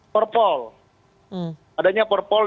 perpol adanya perpol